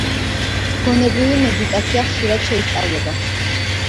გონებრივი მედიტაცია ხშირად შეისწავლება.